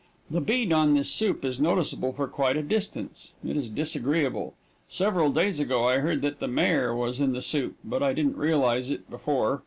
The bead on this soup is noticeable for quite a distance. It is disagreeable. Several days ago I heard that the Mayor was in the soup, but I didn't realize it before.